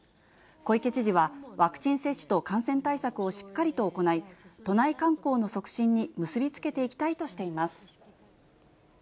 小池知事は、ワクチン接種と感染対策をしっかりと行い、都内観光の促進に結び付けていきたいとしています。